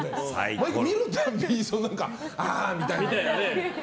毎回見るたびに、ああみたいな。